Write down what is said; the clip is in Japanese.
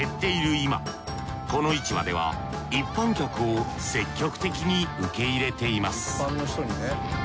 今この市場では一般客を積極的に受け入れています